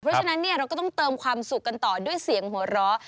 เพราะฉะนั้นเราก็ต้องเติมความสุขกันต่อด้วยเสียงหัวเราะ